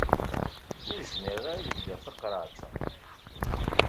Ur zmireɣ ara ad ldiɣ taqerɛet-a.